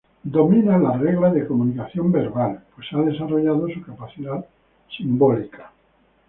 Domina las reglas de comunicación verbal pues ha desarrollado su capacidad simbólica.